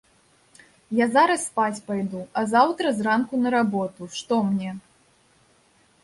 Я зараз спаць пайду, а заўтра зранку на работу, што мне.